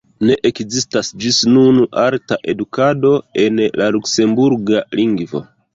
Ne ekzistas ĝis nun alta edukado en la luksemburga lingvo.